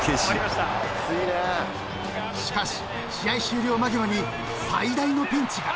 ［しかし試合終了間際に最大のピンチが］